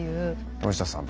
山下さん